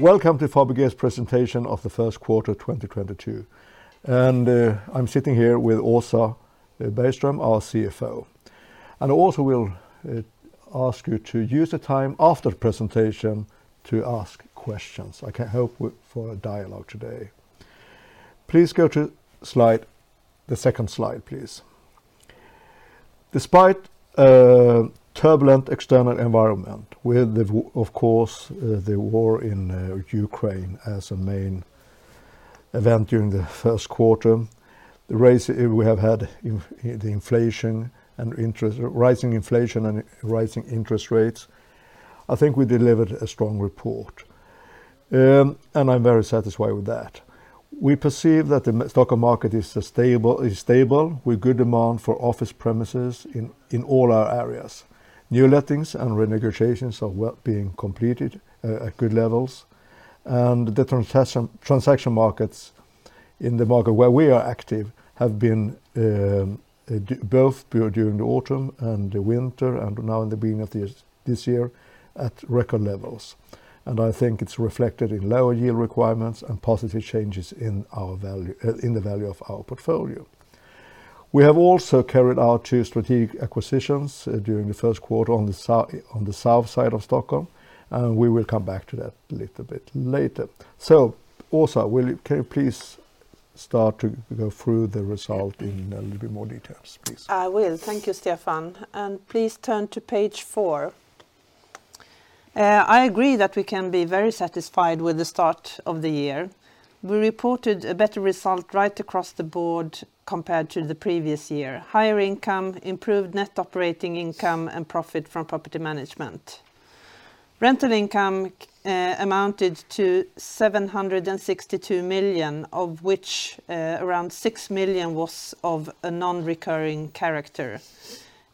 Welcome to Fabege's Presentation of the First Quarter 2022. I'm sitting here with Åsa Bergström, our CFO. Åsa will ask you to use the time after the presentation to ask questions. I can help with a dialogue today. Please go to slide. The second slide, please. Despite a turbulent external environment with the war in Ukraine as a main event during the first quarter, the rise we have had in the inflation and interest rates, I think we delivered a strong report. I'm very satisfied with that. We perceive that the market is stable with good demand for office premises in all our areas. New lettings and renegotiations are being completed at good levels. Transaction markets in the market where we are active have been both during the autumn and the winter and now in the beginning of this year at record levels. I think it's reflected in lower yield requirements and positive changes in the value of our portfolio. We have also carried out two strategic acquisitions during the first quarter on the south side of Stockholm, and we will come back to that a little bit later. Åsa, can you please start to go through the result in a little bit more details, please? I will. Thank you, Stefan. Please turn to page four. I agree that we can be very satisfied with the start of the year. We reported a better result right across the board compared to the previous year. Higher income, improved net operating income, and profit from property management. Rental income amounted to 762 million, of which around 6 million was of a non-recurring character.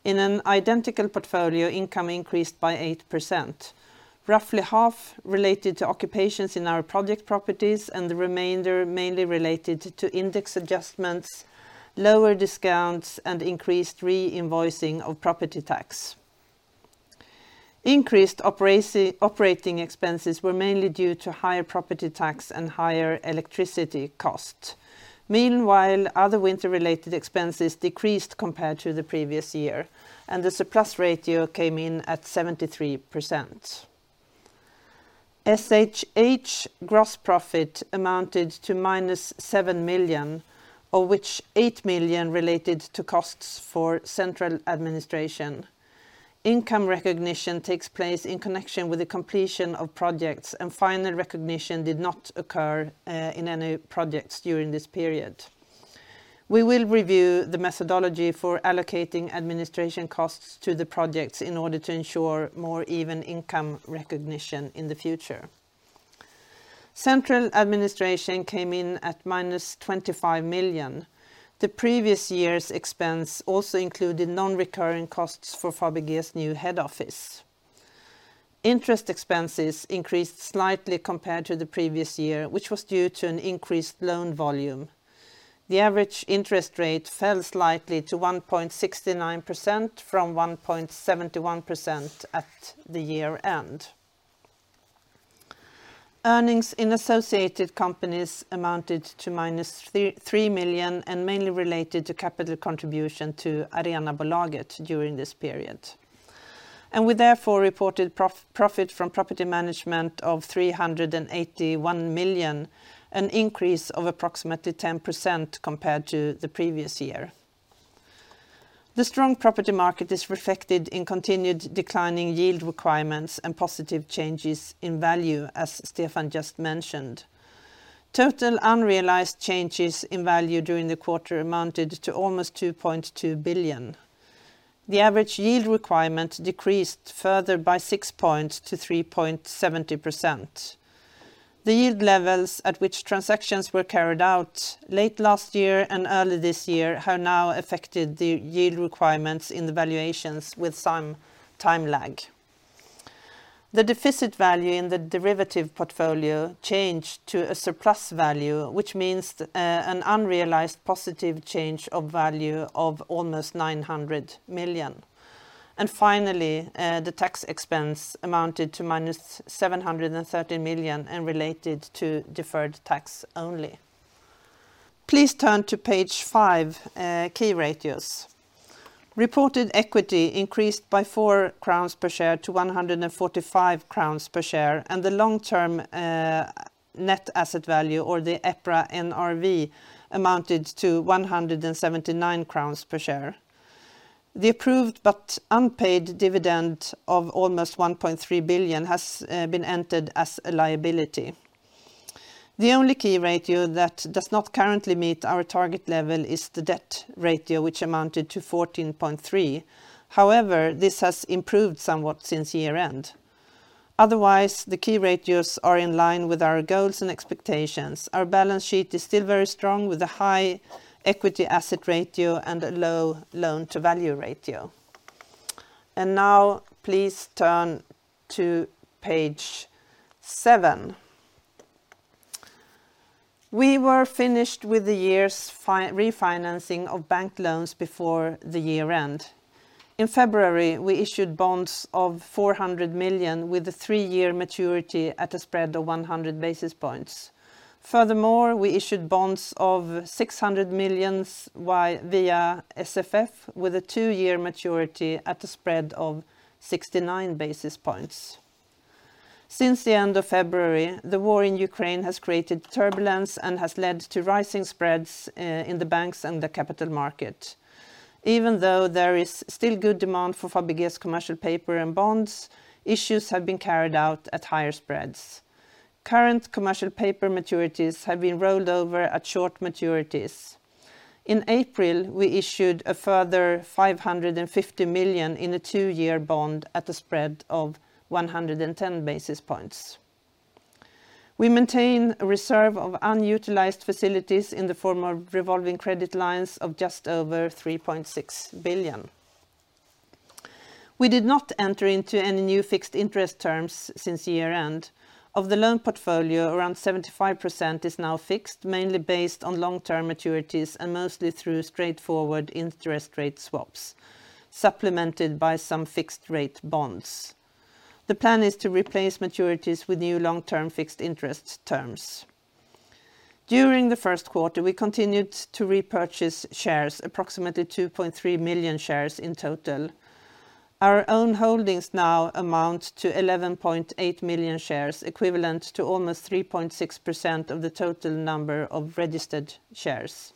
In an identical portfolio, income increased by 8%. Roughly half related to occupations in our project properties and the remainder mainly related to index adjustments, lower discounts, and increased re-invoicing of property tax. Increased operating expenses were mainly due to higher property tax and higher electricity cost. Meanwhile, other winter-related expenses decreased compared to the previous year, and the surplus ratio came in at 73%. SHH gross profit amounted to -7 million, of which 8 million related to costs for central administration. Income recognition takes place in connection with the completion of projects and final recognition did not occur in any projects during this period. We will review the methodology for allocating administration costs to the projects in order to ensure more even income recognition in the future. Central administration came in at -SEK `25 million. The previous year's expense also included non-recurring costs for Fabege's new head office. Interest expenses increased slightly compared to the previous year, which was due to an increased loan volume. The average interest rate fell slightly to 1.69% from 1.71% at year-end. Earnings in associated companies amounted to -3 million and mainly related to capital contribution to Arenabolaget during this period. We therefore reported profit from property management of 381 million, an increase of approximately 10% compared to the previous year. The strong property market is reflected in continued declining yield requirements and positive changes in value, as Stefan just mentioned. Total unrealized changes in value during the quarter amounted to almost 2.2 billion. The average yield requirement decreased further by 6 points to 3.70%. The yield levels at which transactions were carried out late last year and early this year have now affected the yield requirements in the valuations with some time lag. The deficit value in the derivative portfolio changed to a surplus value, which means, an unrealized positive change of value of almost 900 million. Finally, the tax expense amounted to -730 million and related to deferred tax only. Please turn to page five, key ratios. Reported equity increased by 4 crowns per share to 145 crowns per share and the long-term net asset value or the EPRA NRV amounted to 179 crowns per share. The approved but unpaid dividend of almost 1.3 billion has been entered as a liability. The only key ratio that does not currently meet our target level is the debt ratio, which amounted to 14.3. However, this has improved somewhat since year-end. Otherwise, the key ratios are in line with our goals and expectations. Our balance sheet is still very strong with a high equity asset ratio and a low loan-to-value ratio. Now please turn to page seven. We were finished with the year's refinancing of bank loans before the year end. In February, we issued bonds of 400 million with a three-year maturity at a spread of 100 basis points. Furthermore, we issued bonds of 600 million via SFF with a two-year maturity at a spread of 69 basis points. Since the end of February, the war in Ukraine has created turbulence and has led to rising spreads in the banks and the capital market. Even though there is still good demand for Fabege's commercial paper and bonds, issues have been carried out at higher spreads. Current commercial paper maturities have been rolled over at short maturities. In April, we issued a further 550 million in a two-year bond at a spread of 110 basis points. We maintain a reserve of unutilized facilities in the form of revolving credit lines of just over 3.6 billion. We did not enter into any new fixed interest terms since year-end. Of the loan portfolio, around 75% is now fixed, mainly based on long-term maturities and mostly through straightforward interest rate swaps, supplemented by some fixed rate bonds. The plan is to replace maturities with new long-term fixed interest terms. During the first quarter, we continued to repurchase shares, approximately 2.3 million shares in total. Our own holdings now amount to 11.8 million shares, equivalent to almost 3.6% of the total number of registered shares.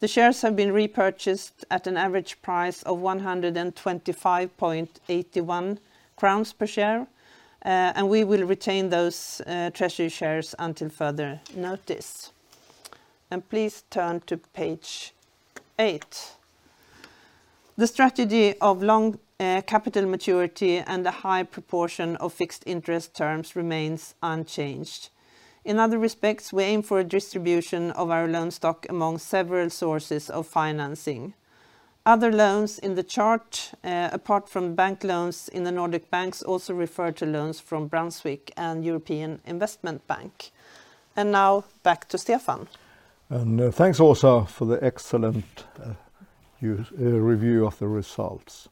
The shares have been repurchased at an average price of 125.81 crowns per share, and we will retain those treasury shares until further notice. Please turn to page eight. The strategy of long capital maturity and the high proportion of fixed interest terms remains unchanged. In other respects, we aim for a distribution of our loan stock among several sources of financing. Other loans in the chart, apart from bank loans in the Nordic banks, also refer to loans from Brunswick and European Investment Bank. Now back to Stefan. Thanks, Åsa, for the excellent review of the results.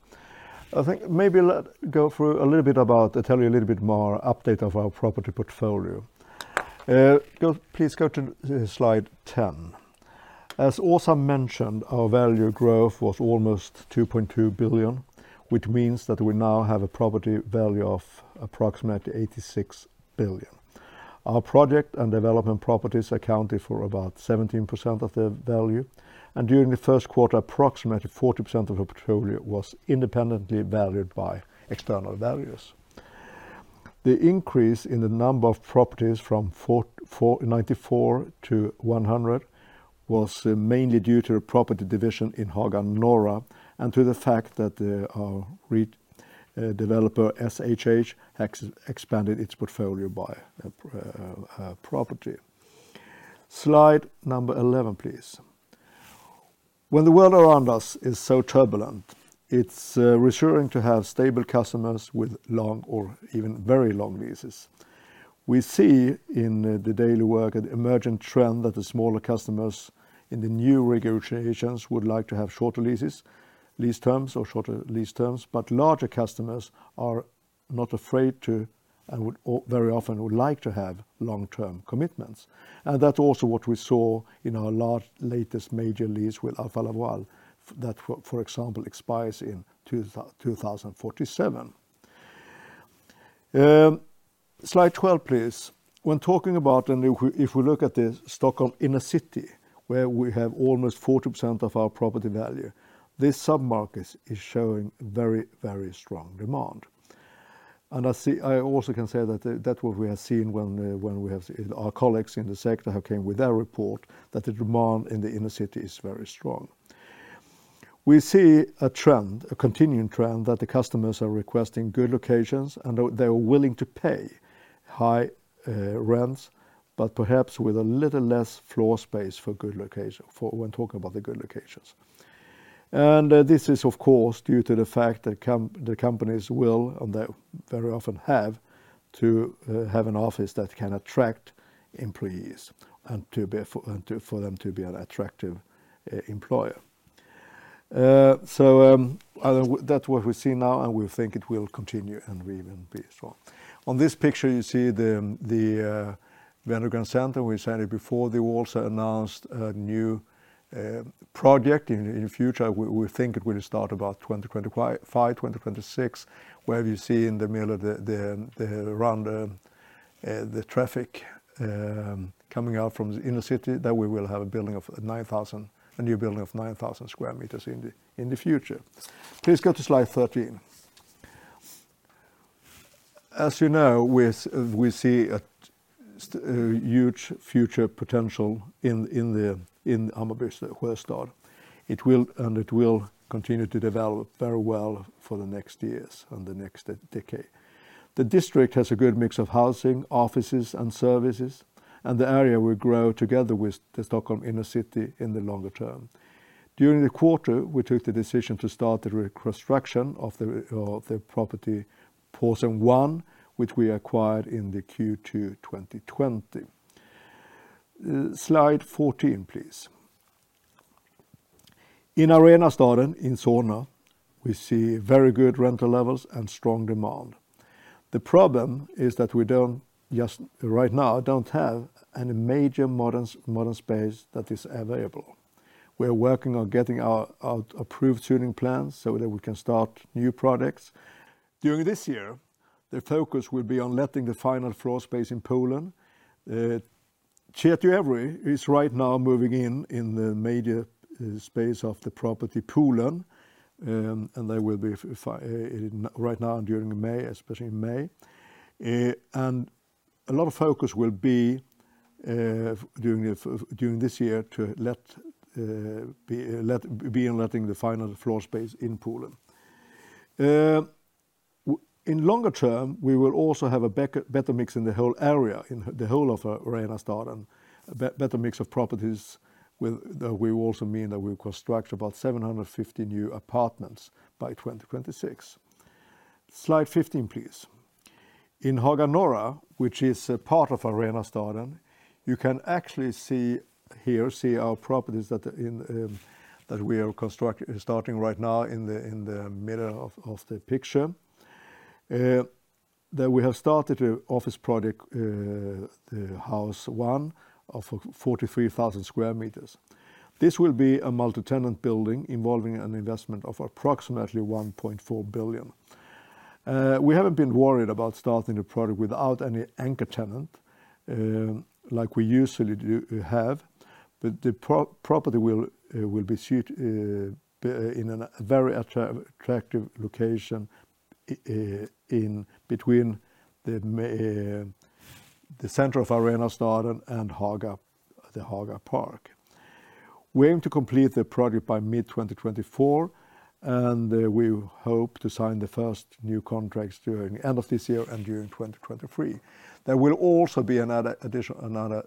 I think maybe let's go through a little bit about. Tell you a little bit more update of our property portfolio. Please go to slide 10. As Åsa mentioned, our value growth was almost 2.2 billion, which means that we now have a property value of approximately 86 billion. Our project and development properties accounted for about 17% of the value, and during the first quarter, approximately 40% of our portfolio was independently valued by external valuers. The increase in the number of properties from 94-100 was mainly due to a property division in Haga Norra and to the fact that our REIT developer SHH expanded its portfolio by a property. Slide number 11, please. When the world around us is so turbulent, it's reassuring to have stable customers with long or even very long leases. We see in the daily work an emerging trend that the smaller customers in the new renegotiations would like to have shorter leases, lease terms or shorter lease terms, but larger customers are not afraid to and would very often like to have long-term commitments. That's also what we saw in our large latest major lease with Alfa Laval that, for example, expires in 2047. Slide 12, please. When talking about if we look at the Stockholm inner city where we have almost 40% of our property value, this sub-market is showing very, very strong demand. I see. I also can say that what we have seen when we have our colleagues in the sector have came with their report that the demand in the inner city is very strong. We see a trend, a continuing trend that the customers are requesting good locations, and they are willing to pay high rents, but perhaps with a little less floor space for good location for when talking about the good locations. This is of course due to the fact that the companies will and they very often have to have an office that can attract employees and to, for them to be an attractive employer. That's what we see now, and we think it will continue and will even be strong. On this picture you see the Wenner-Gren Center. We said it before. They also announced a new project in future. We think it will start about 2025, 2026, where you see in the middle of the round, the traffic coming out from the inner city, that we will have a building of 9,000, a new building of 9,000 sq m in the future. Please go to slide 13. As you know, we see a huge future potential in Hammarby Sjöstad. It will continue to develop very well for the next years and the next decade. The district has a good mix of housing, offices, and services, and the area will grow together with the Stockholm inner city in the longer term. During the quarter, we took the decision to start the reconstruction of the property Porten 1, which we acquired in the Q2 2020. Slide 14 please. In Arenastaden in Solna, we see very good rental levels and strong demand. The problem is that right now we don't have any major modern space that is available. We are working on getting our approved zoning plans so that we can start new projects. During this year, the focus will be on letting the final floor space in Poolen. Tietoevry is right now moving into the major space of the property Poolen, and they will be in right now and during May, especially May. A lot of focus will be during this year on letting the final floor space in Poolen. In longer term, we will also have a better mix in the whole area, in the whole of Arenastaden. Better mix of properties with, we also mean that we construct about 750 new apartments by 2026. Slide 15, please. In Haga Norra, which is a part of Arenastaden, you can actually see here our properties that we are starting right now in the middle of the picture. That we have started an office project, the Hus 1 of 43,000 sq m. This will be a multi-tenant building involving an investment of approximately 1.4 billion. We haven't been worried about starting a project without any anchor tenant, like we usually do, but the property will be situated in a very attractive location in between the center of Arenastaden and Haga, the Haga Park. We aim to complete the project by mid-2024, and we hope to sign the first new contracts during the end of this year and during 2023. There will also be another addition, another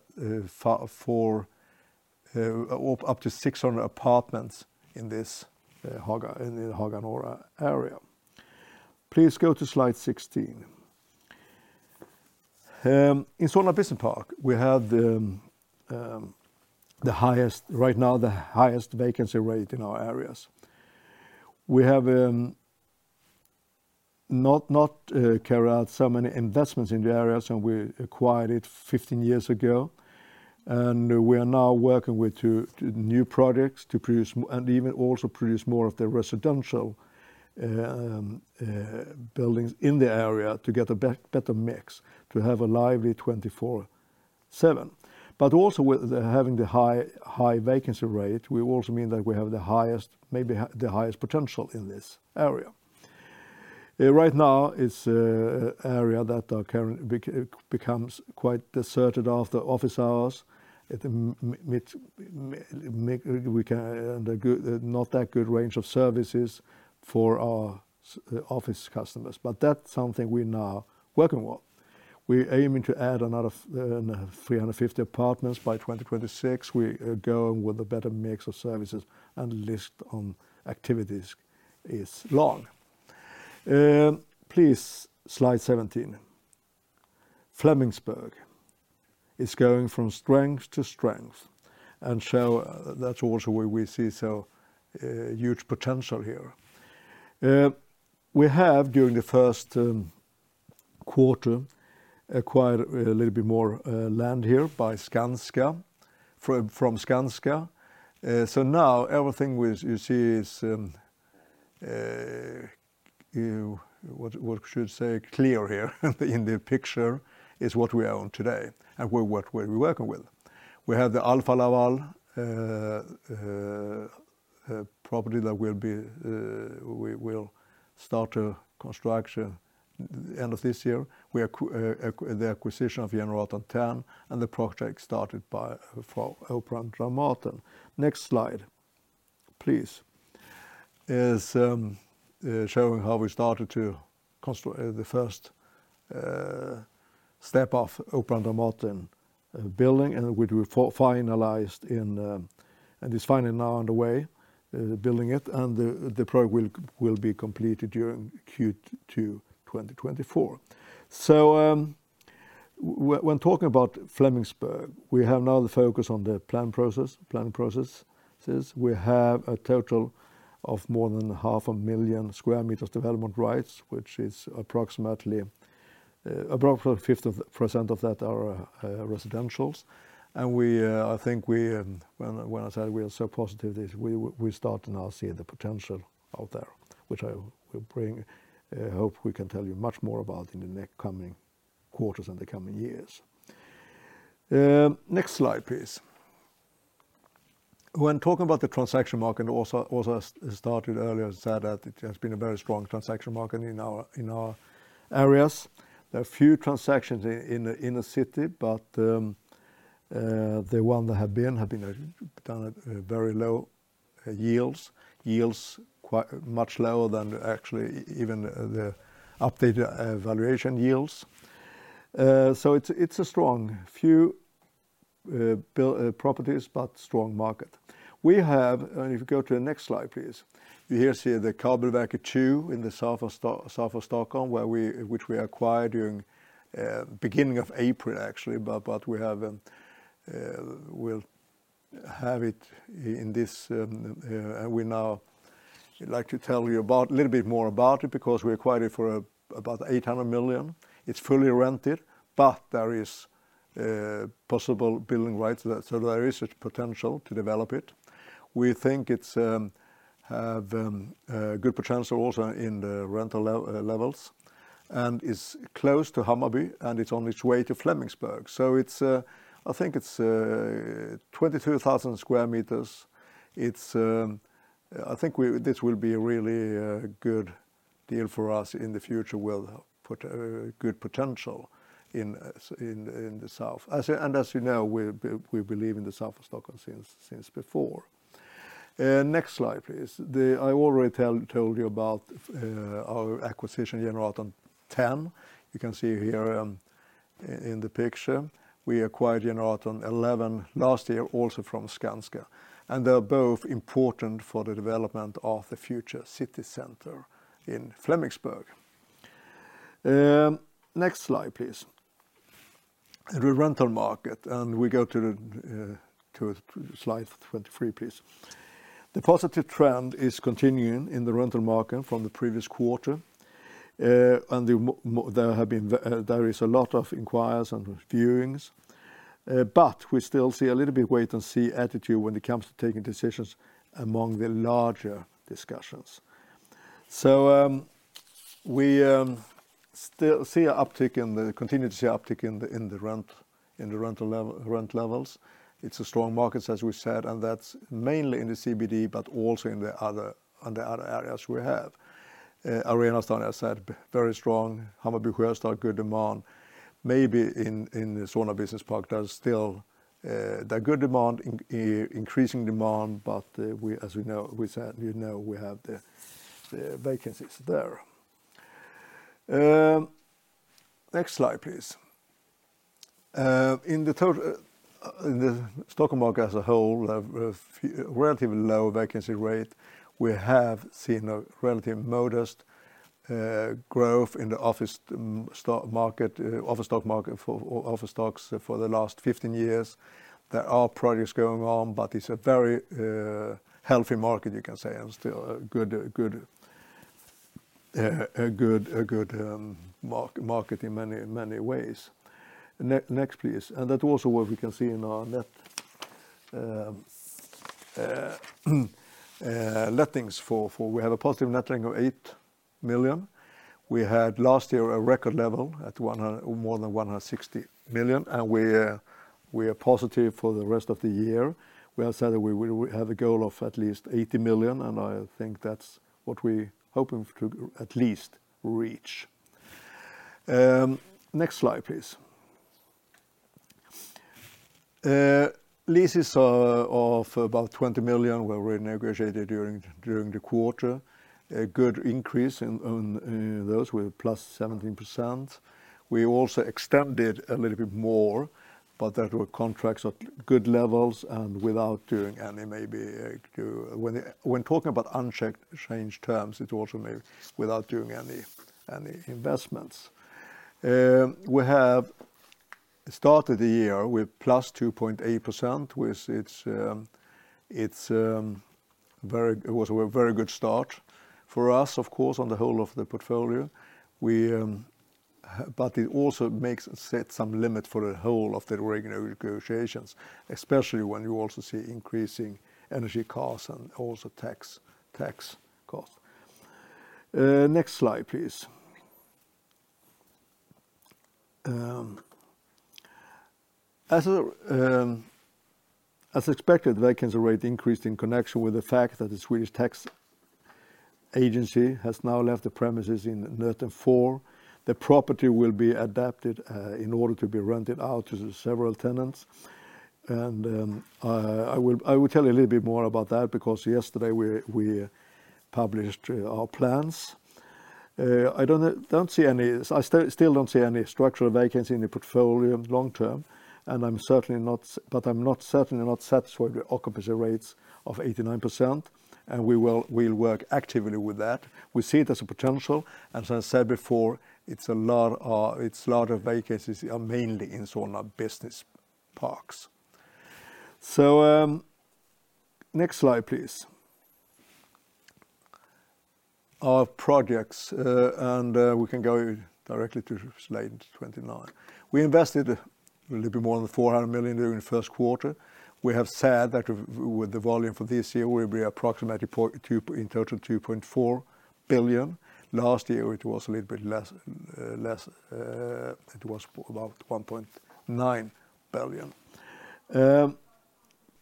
four or up to 600 apartments in this Haga, in the Haga Norra area. Please go to slide 16. In Solna Business Park, we have the highest vacancy rate right now in our areas. We have not carried out so many investments in the areas, and we acquired it 15 years ago, and we are now working with two new projects to produce and even also produce more of the residential buildings in the area to get a better mix, to have a lively 24/7. Also with having the high vacancy rate, we also mean that we have the highest, maybe the highest potential in this area. Right now it's an area that currently becomes quite deserted after office hours. It makes for not that good range of services for our office customers. That's something we're now working on. We're aiming to add another 350 apartments by 2026. We are going with a better mix of services, and list of activities is long. Please, slide 17. Flemingsberg is going from strength to strength, and that's also where we see huge potential here. We have during the first quarter acquired a little bit more land here from Skanska. Now everything you see is what should be clear here in the picture is what we own today and we're working with. We have the Alfa Laval property that will be, we will start construction end of this year. The acquisition of Generatorn 10, and the project started for Operan & Dramaten. Next slide, please, is showing how we started to construct the first step of Operan & Dramaten building, and which we finalized in and is finally now underway building it, and the project will be completed during Q2 2024. When talking about Flemingsberg, we have now the focus on the planning processes. We have a total of more than 500,000 sq m development rights, which is approximately 50% of that are residential. I think when I say we are so positive, we start now seeing the potential out there, which I hope we can tell you much more about in the coming quarters and the coming years. Next slide, please. When talking about the transaction market, Åsa started earlier said that it has been a very strong transaction market in our areas. There are few transactions in the city, but the ones that have been done at very low yields. Yields quite much lower than actually even the updated valuation yields. So it's a strong few properties, but strong market. If you go to the next slide, please. You here see the Karlbergsvägen 2 in the south of Stockholm, which we acquired during the beginning of April, actually. We'll have it in this. We now like to tell you a little bit more about it because we acquired it for about 800 million. It's fully rented, but there is possible building rights. There is a potential to develop it. We think it's has good potential also in the rental levels, and it's close to Hammarby, and it's on its way to Flemingsberg. It's 22,000 sq m. I think this will be a really good deal for us in the future. We'll put a good potential in the south. As you know, we believe in the south of Stockholm since before. Next slide, please. I already told you about our acquisition, Generatorn 10. You can see here in the picture. We acquired Generatorn 11 last year, also from Skanska. They are both important for the development of the future city center in Flemingsberg. Next slide, please. The rental market, we go to slide 23, please. The positive trend is continuing in the rental market from the previous quarter. There is a lot of inquiries and viewings. But we still see a little bit wait-and-see attitude when it comes to taking decisions among the larger discussions. We continue to see uptick in the rent levels. It's a strong market, as we said, and that's mainly in the CBD, but also in the other areas we have. Arenastaden has had very strong. Hammarby Sjöstad, good demand. Maybe in the Solna Business Park, there's still good demand, increasing demand, but as we know, we said you know we have the vacancies there. Next slide, please. In the Stockholm market as a whole, we have a relatively low vacancy rate. We have seen a relatively modest growth in the office stock market or office stocks for the last 15 years. There are projects going on, but it's a very healthy market, you can say, and still a good market in many ways. Next, please. That's also what we can see in our net lettings, for we have a positive net letting of 8 million. We had last year a record level at more than 160 million, and we're positive for the rest of the year. We have said that we will have a goal of at least 80 million, and I think that's what we're hoping to at least reach. Next slide, please. Leases of about 20 million were renegotiated during the quarter. A good increase on those with +17%. We also extended a little bit more, but there were contracts at good levels and without doing any, maybe. When talking about unchanged terms, it's also maybe without doing any investments. We have started the year with +2.8%, which was a very good start for us, of course, on the whole of the portfolio. It also sets some limit for the whole of the regular negotiations, especially when you also see increasing energy costs and also tax costs. Next slide, please. As expected, vacancy rate increased in connection with the fact that the Swedish Tax Agency has now left the premises in Nöten 4. The property will be adapted in order to be rented out to several tenants. I will tell you a little bit more about that because yesterday we published our plans. I still don't see any structural vacancy in the portfolio long term, and I'm certainly not satisfied with occupancy rates of 89%, and we will work actively with that. We see it as a potential. As I said before, it's a lot of vacancies are mainly in Solna Business Parks. Next slide, please. Our projects and we can go directly to slide 29. We invested a little bit more than 400 million during the first quarter. We have said that with the volume for this year, we'll be approximately, in total, 2.4 billion. Last year, it was a little bit less. It was about 1.9 billion.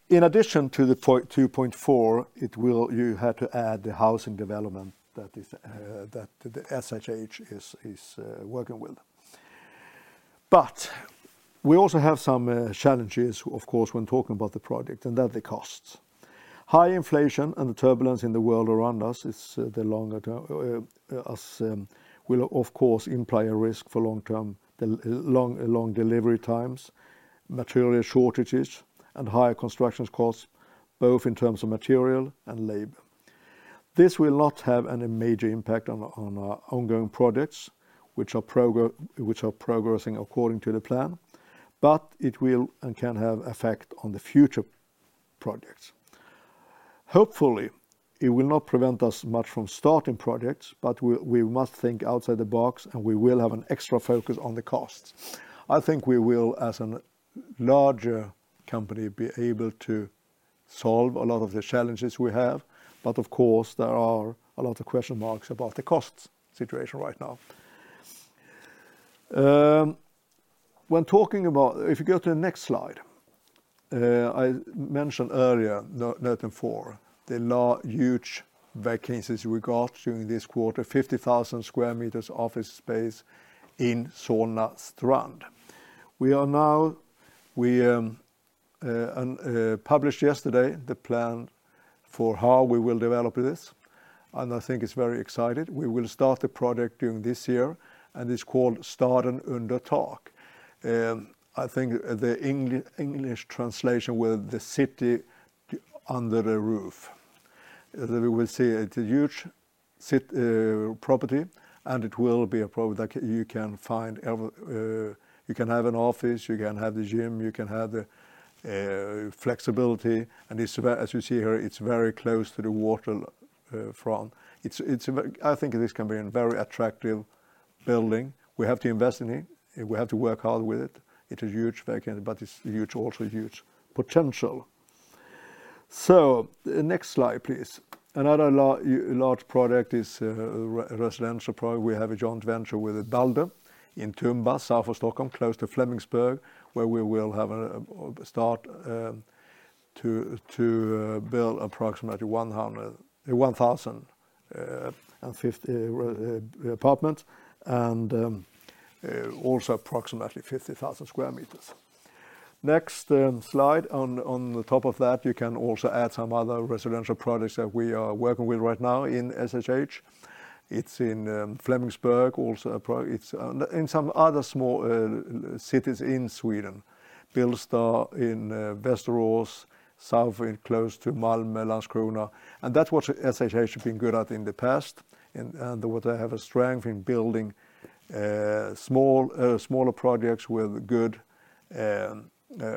In addition to the 2.4, you have to add the housing development that is that the SHH is working with. We also have some challenges, of course, when talking about the project, and that are the costs. High inflation and the turbulence in the world around us will of course imply a risk for long term, the long delivery times, material shortages, and higher construction costs, both in terms of material and labor. This will not have any major impact on our ongoing projects which are progressing according to the plan. It will and can have effect on the future projects. Hopefully, it will not prevent us much from starting projects, but we must think outside the box, and we will have an extra focus on the costs. I think we will as a larger company be able to solve a lot of the challenges we have. Of course, there are a lot of question marks about the costs situation right now. When talking about if you go to the next slide, I mentioned earlier Nöten 4, the huge vacancies we got during this quarter, 50,000 sq m office space in Solna Strand. We published yesterday the plan for how we will develop this, and I think it's very excited. We will start the project during this year, and it's called Staden Under Tak. I think the English translation were The City Under the Roof. We will see. It's a huge property, and it will be like you can find. You can have an office, you can have the gym, you can have the flexibility. As you see here, it's very close to the waterfront. It's a very, I think this can be a very attractive building. We have to invest in it. We have to work hard with it. It's a huge vacancy, but it's huge, also huge potential. Next slide, please. Another large project is residential project. We have a joint venture with Balder in Tumba, south of Stockholm, close to Flemingsberg, where we will have a start to build approximately 1,050 apartments, and also approximately 50,000 sq m. Next slide. On the top of that, you can also add some other residential projects that we are working with right now in SHH. It's in Flemingsberg, also in some other small cities in Sweden. Bålsta, in Västerås. Svalöv close to Malmö, Landskrona. That's what SHH has been good at in the past and what they have a strength in building smaller projects with good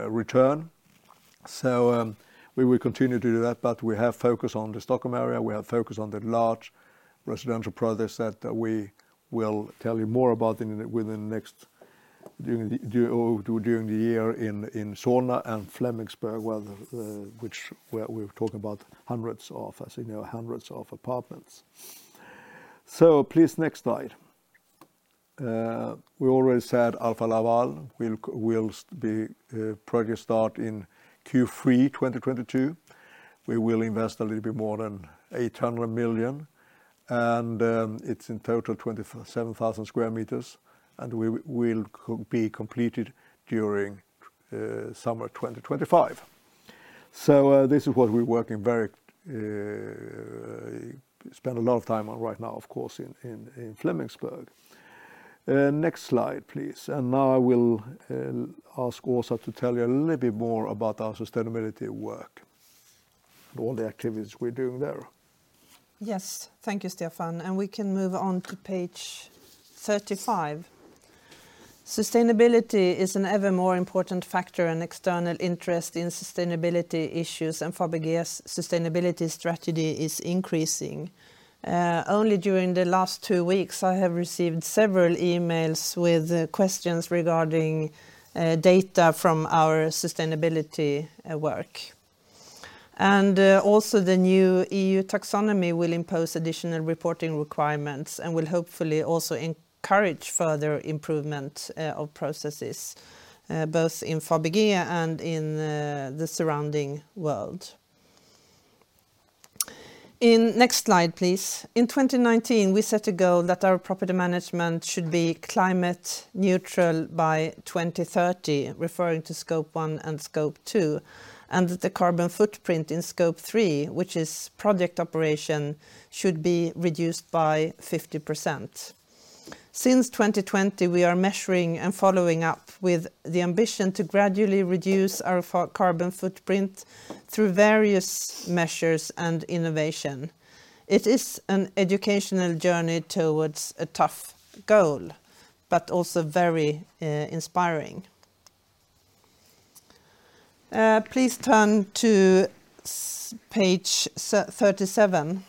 return. We will continue to do that, but we have focus on the Stockholm area. We have focus on the large residential projects that we will tell you more about during the year in Solna and Flemingsberg, where we're talking about hundreds of, as you know, hundreds of apartments. Please, next slide. We already said Alfa Laval will start the project in Q3 2022. We will invest a little bit more than 800 million, and it's in total 27,000 sq m. It will be completed during summer 2025. This is what we're working on right now. We spend a lot of time on it, of course, in Flemingsberg. Next slide, please. Now I will ask Åsa to tell you a little bit more about our sustainability work and all the activities we're doing there. Yes. Thank you, Stefan. We can move on to page 35. Sustainability is an ever more important factor, and external interest in sustainability issues and Fabege's sustainability strategy is increasing. Only during the last two weeks, I have received several emails with questions regarding data from our sustainability work. Also the new EU taxonomy will impose additional reporting requirements and will hopefully also encourage further improvement of processes both in Fabege and in the surrounding world. Next slide, please. In 2019, we set a goal that our property management should be climate neutral by 2030, referring to Scope 1 and Scope 2, and that the carbon footprint in Scope 3, which is project operation, should be reduced by 50%. Since 2020, we are measuring and following up with the ambition to gradually reduce our carbon footprint through various measures and innovation. It is an educational journey towards a tough goal but also very inspiring. Please turn to page 37.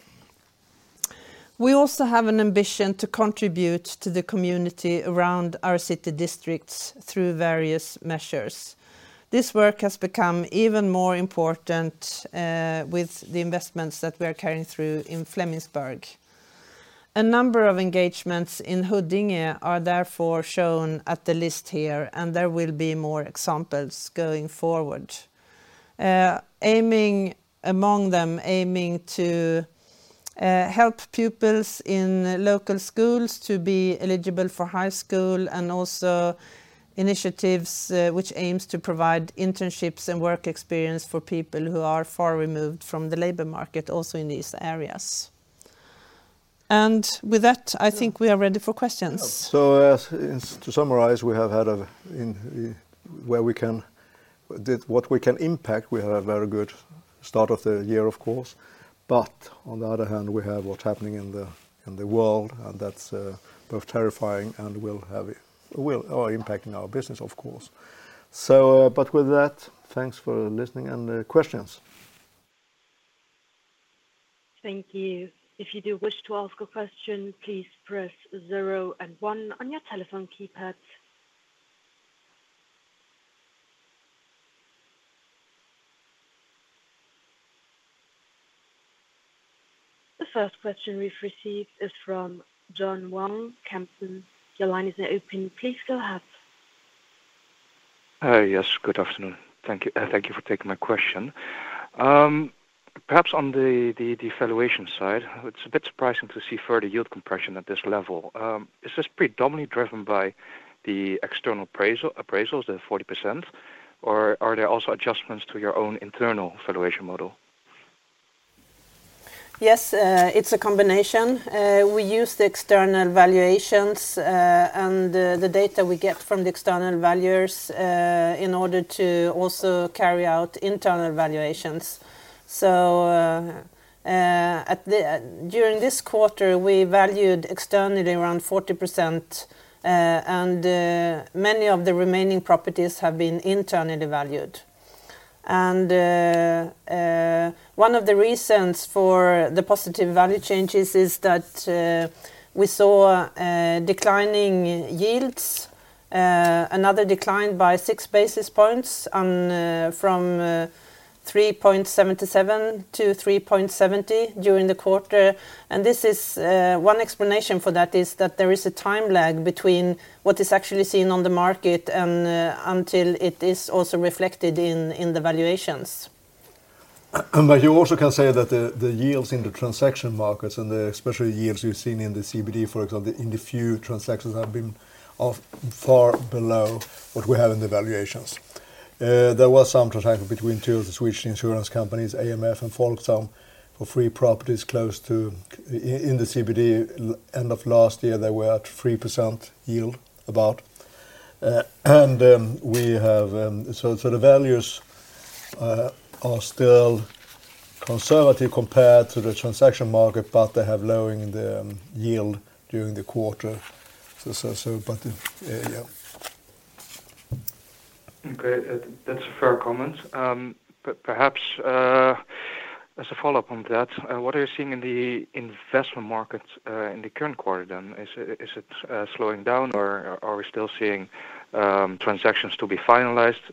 We also have an ambition to contribute to the community around our city districts through various measures. This work has become even more important with the investments that we are carrying through in Flemingsberg. A number of engagements in Huddinge are therefore shown on the list here, and there will be more examples going forward. Aiming, among them, to help pupils in local schools to be eligible for high school and also initiatives which aim to provide internships and work experience for people who are far removed from the labor market also in these areas. With that, I think we are ready for questions. To summarize, we have had a very good start of the year in what we can impact, of course. But on the other hand, we have what's happening in the world, and that's both terrifying and will impact our business, of course. With that, thanks for listening and questions. Thank you. If you do wish to ask a question, please press zero and one on your telephone keypad. The first question we've received is from John Vuong, Kempen. Your line is now open. Please go ahead. Good afternoon. Thank you. Thank you for taking my question. Perhaps on the valuation side, it's a bit surprising to see further yield compression at this level. Is this predominantly driven by the external appraisals, the 40%, or are there also adjustments to your own internal valuation model? Yes, it's a combination. We use the external valuations and the data we get from the external valuers in order to also carry out internal valuations. During this quarter, we valued externally around 40%, and many of the remaining properties have been internally valued. One of the reasons for the positive value changes is that we saw declining yields, another decline by 6 basis points from 3.77-3.70 during the quarter. This is one explanation for that is that there is a time lag between what is actually seen on the market and until it is also reflected in the valuations. You also can say that the yields in the transaction markets and especially yields you've seen in the CBD, for example, in the few transactions have been far below what we have in the valuations. There was some transaction between two of the Swedish insurance companies, AMF and Folksam, for three properties close to the CBD. End of last year, they were at 3% yield about. And the values are still conservative compared to the transaction market, but they have lowering the yield during the quarter. But yeah. Okay. That's a fair comment. Perhaps as a follow-up on that, what are you seeing in the investment markets in the current quarter then? Is it slowing down or are we still seeing transactions to be finalized?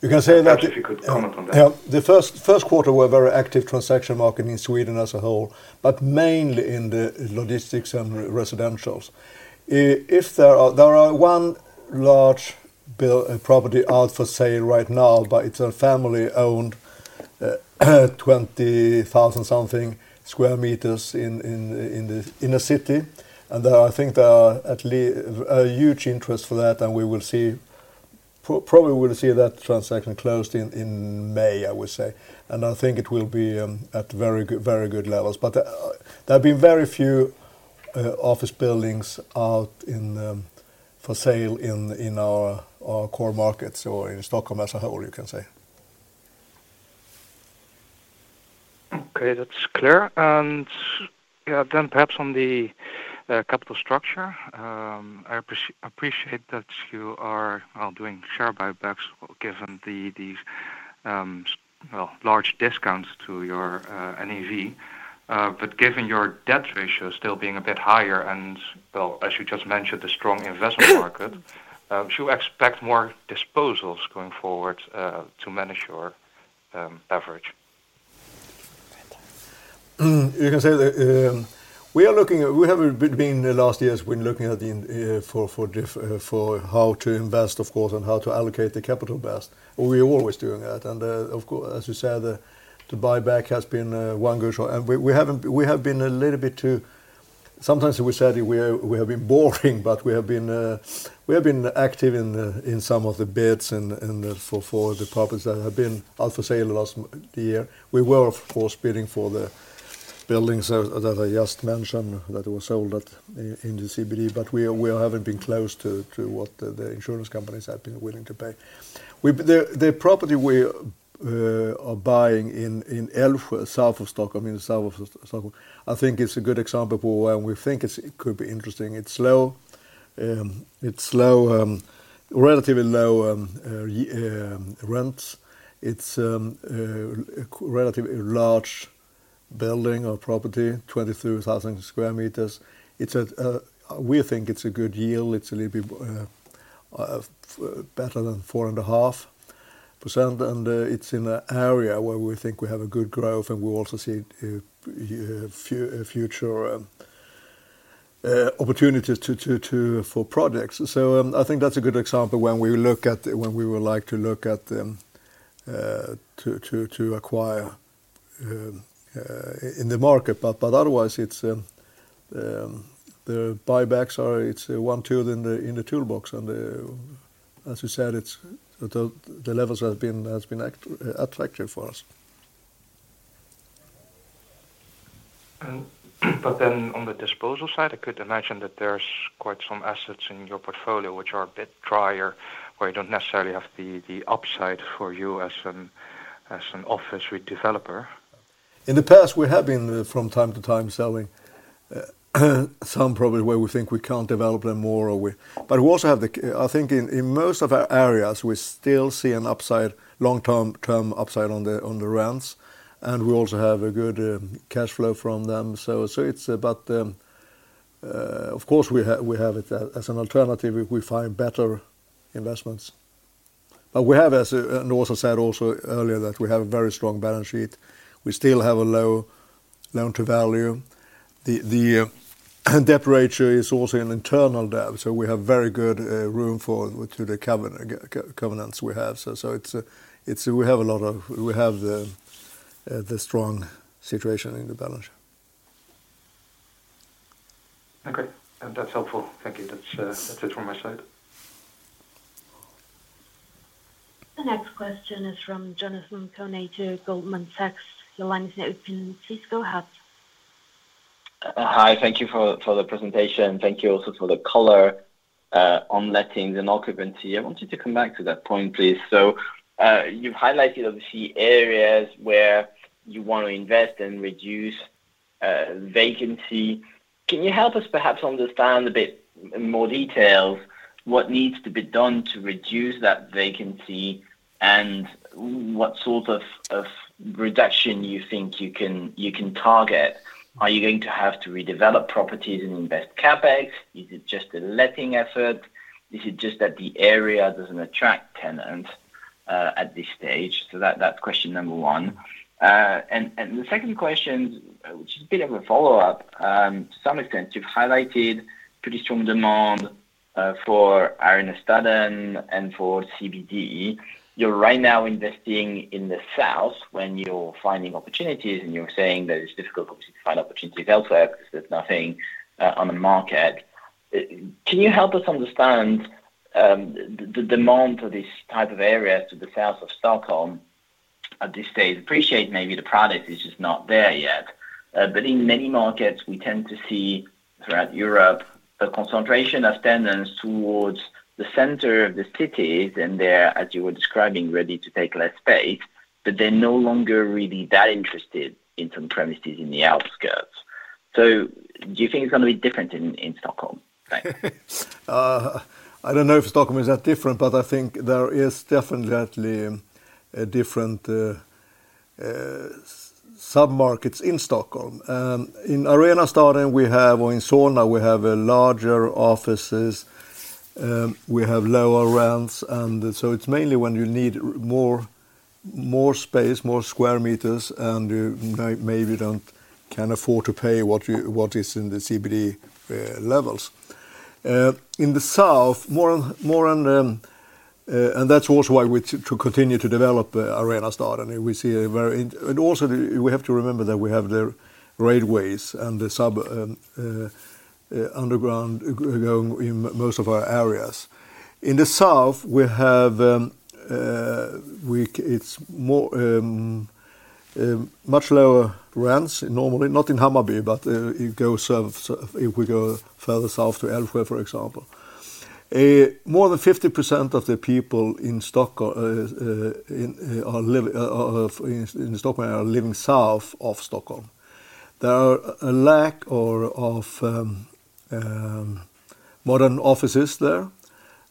You can say that. Perhaps if you could comment on that. The first quarter was very active transaction market in Sweden as a whole, but mainly in the logistics and residentials. There is one large property out for sale right now, but it's a family-owned, 20,000-something square meters in the city. There, I think there is at least a huge interest for that, and we will see. Probably we'll see that transaction closed in May, I would say. I think it will be at very good levels. There have been very few office buildings out for sale in our core markets or in Stockholm as a whole, you can say. Okay, that's clear. Yeah, perhaps on the capital structure, I appreciate that you are well doing share buybacks given these well large discounts to your NAV. Given your debt ratio still being a bit higher and well as you just mentioned the strong investment market, should we expect more disposals going forward to manage your average? Right. You can say that we have been the last years looking at how to invest, of course, and how to allocate the capital best. We are always doing that. Of course, as you said, the buyback has been one good short. We have been a little bit too. Sometimes we said we have been boring, but we have been active in some of the bids and for the properties that have been out for sale last year. We were, of course, bidding for the buildings that I just mentioned that were sold in the CBD, but we haven't been close to what the insurance companies have been willing to pay. The property we are buying in Älvsjö, south of Stockholm, in the south of Stockholm, I think it's a good example for where we think it could be interesting. It's low, relatively low rents. It's a relatively large building or property, 22,000 sq m. We think it's a good yield. It's a little bit better than 4.5%, and it's in a area where we think we have a good growth, and we also see a future opportunities for projects. I think that's a good example when we would like to look at them to acquire in the market. Otherwise, it's one tool in the toolbox. As you said, the levels have been attractive for us. On the disposal side, I could imagine that there's quite some assets in your portfolio which are a bit drier, where you don't necessarily have the upside for you as an office redeveloper. In the past, we have been from time to time selling some property where we think we can't develop them more. I think in most of our areas, we still see an upside, long-term upside on the rents, and we also have a good cash flow from them. It's about, of course, we have it as an alternative if we find better investments. We have, as we also said earlier, that we have a very strong balance sheet. We still have a low loan-to-value. The debt ratio is also an internal debt, so we have very good room for the covenants we have. It's. We have a lot of. We have the strong situation in the balance sheet. Okay. That's helpful. Thank you. That's it from my side. The next question is from Jonathan Kownator of Goldman Sachs. Your line is now open. Please go ahead. Hi. Thank you for the presentation. Thank you also for the color on lettings and occupancy. I want you to come back to that point, please. You've highlighted obviously areas where you want to invest and reduce vacancy. Can you help us perhaps understand a bit in more details what needs to be done to reduce that vacancy, and what sort of reduction you think you can target? Are you going to have to redevelop properties and invest CapEx? Is it just a letting effort? Is it just that the area doesn't attract tenants at this stage? That's question number one. The second question, which is a bit of a follow-up, to some extent, you've highlighted pretty strong demand for Arenastaden and for CBD. You're right now investing in the south when you're finding opportunities, and you're saying that it's difficult obviously to find opportunities elsewhere because there's nothing on the market. Can you help us understand the demand for these type of areas to the south of Stockholm at this stage? I appreciate maybe the product is just not there yet. In many markets, we tend to see, throughout Europe, a concentration of tenants towards the center of the cities, and they're, as you were describing, ready to pay for less space, but they're no longer really that interested in some premises in the outskirts. Do you think it's gonna be different in Stockholm? Thanks. I don't know if Stockholm is that different, but I think there is definitely a different submarkets in Stockholm. In Arenastaden or in Solna we have larger offices, we have lower rents, and so it's mainly when you need more space, more square meters, and you can't afford to pay what is in the CBD levels. In the south, that's also why we continue to develop Arenastaden. We also have to remember that we have the railways and the subway underground going in most of our areas. In the south, we have much lower rents normally, not in Hammarby, but you go south, so if we go further south to Älvsjö, for example. More than 50% of the people in Stockholm are living south of Stockholm. There is a lack of modern offices there.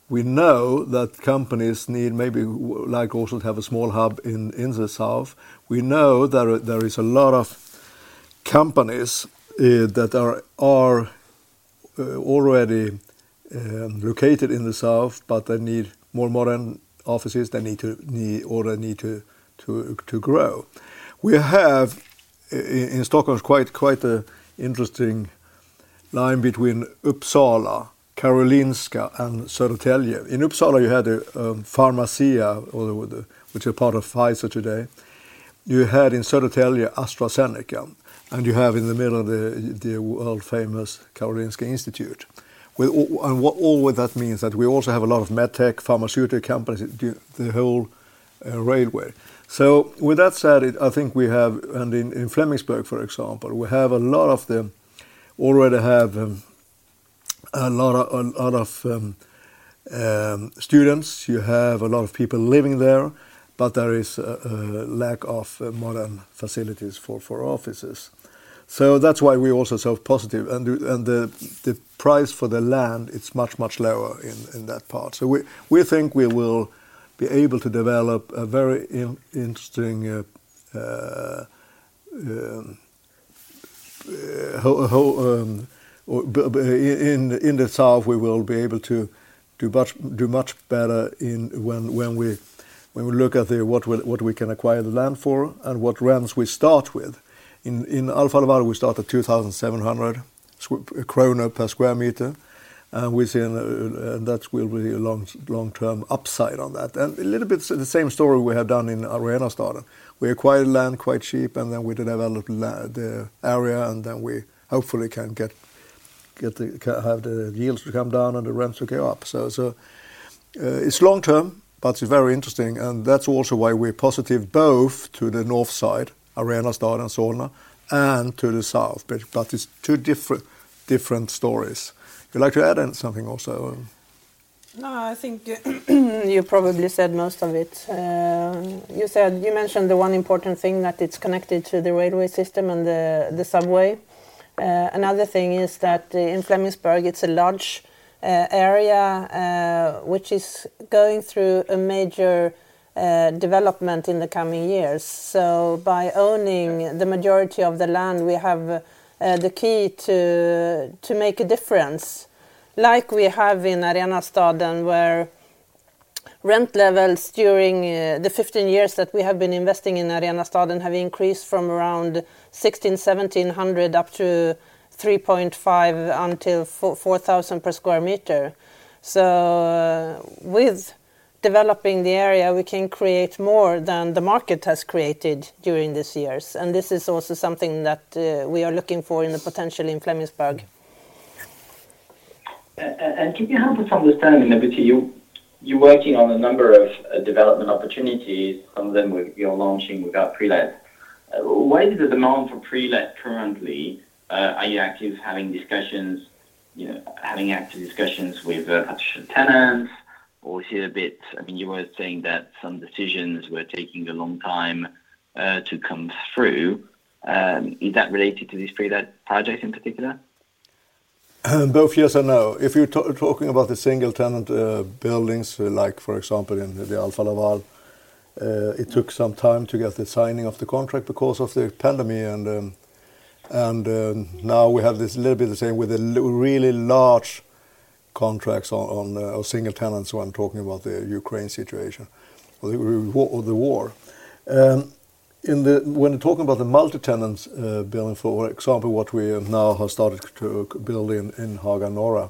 We know that companies need maybe like also to have a small hub in the south. We know there is a lot of companies that are already located in the south, but they need more modern offices. They need to, or they need to grow. We have in Stockholm quite an interesting line between Uppsala, Karolinska, and Södertälje. In Uppsala, you had Pharmacia, which is part of Pfizer today. You had in Södertälje, AstraZeneca, and you have in the middle of the world-famous Karolinska Institutet. All in all, what that means is that we also have a lot of med tech, pharmaceutical companies, the whole railway. With that said, in Flemingsberg, for example, we have a lot of them already have a lot of students. You have a lot of people living there, but there is a lack of modern facilities for offices. That's why we're also so positive. The price for the land, it's much lower in that part. We think we will be able to develop a very interesting build in the south. We will be able to do much better when we look at what we can acquire the land for and what rents we start with. In Alfa Laval, we start at 2,700 kronor per sq m, and we're seeing that will be a long-term upside on that. A little bit the same story we have done in Arenastaden. We acquire land quite cheap, and then we develop the area, and then we hopefully can get the yields to come down and the rents to go up. It's long-term, but it's very interesting, and that's also why we're positive both to the north side, Arenastaden and Solna, and to the south. That is two different stories. You'd like to add in something also? No, I think you probably said most of it. You said. You mentioned the one important thing, that it's connected to the railway system and the subway. Another thing is that the in Flemingsberg, it's a large area, which is going through a major development in the coming years. By owning the majority of the land, we have the key to make a difference like we have in Arenastaden where rent levels during the 15 years that we have been investing in Arenastaden have increased from around 1,600, 1,700 up to 3,500 until 4,000 per sq m. With developing the area, we can create more than the market has created during these years, and this is also something that we are looking for in the potential in Flemingsberg. Can you help us understanding a bit, you're working on a number of development opportunities. Some of them you're launching without pre-let. Where is the demand for pre-let currently? Are you active having discussions, you know, having active discussions with potential tenants? Or is it a bit I mean, you were saying that some decisions were taking a long time to come through. Is that related to these pre-let projects in particular? Both yes and no. If you're talking about the single tenant buildings like, for example, in the Alfa Laval, it took some time to get the signing of the contract because of the pandemic, and now we have this little bit the same with the really large contracts or single tenants when talking about the Ukraine situation. Well, the war. When talking about the multi-tenants building, for example, what we have now have started to build in Haga Norra,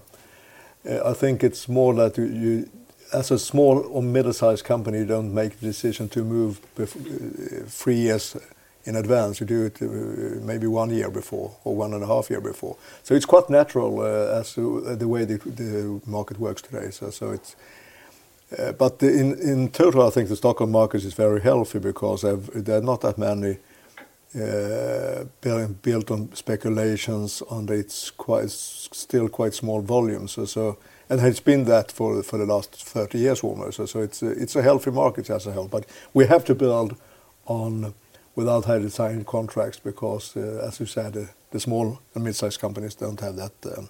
I think it's more that you as a small or middle-sized company, you don't make the decision to move before three years in advance. You do it, maybe one year before or one and a half year before. It's quite natural as to the way the market works today. In total, I think the Stockholm market is very healthy because there are not that many built on speculations and it's still quite small volumes. It's been that for the last 30 years almost. It's a healthy market as a whole. We have to build on without having signed contracts because as you said, the small and mid-sized companies don't have that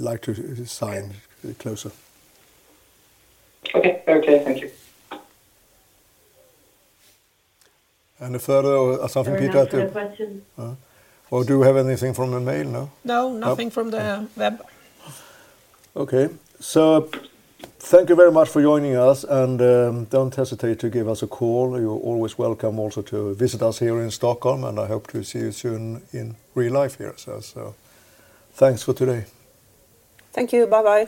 like to sign closer. Okay, thank you. Any further or something, Peter? Very happy with the question. Do we have anything from the mail? No? No, nothing from the web. Okay. Thank you very much for joining us, and don't hesitate to give us a call. You're always welcome also to visit us here in Stockholm, and I hope to see you soon in real life here. Thanks for today. Thank you. Bye-bye.